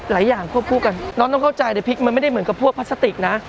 หลายอย่างควบคู่กันน้องต้องเข้าใจเดี๋ยวพริกมันไม่ได้เหมือนกับพวกพลาสติกนะ